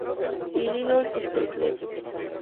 Illinois State Lab.